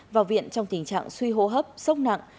vào viện trong tình trạng suy hô hấp sốc nặng